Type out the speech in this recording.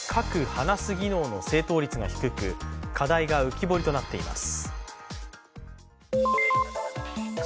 ・話す技能の正答率が低く課題が浮き彫りとなっています。